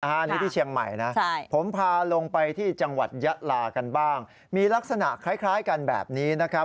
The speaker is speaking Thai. อันนี้ที่เชียงใหม่นะผมพาลงไปที่จังหวัดยะลากันบ้างมีลักษณะคล้ายกันแบบนี้นะครับ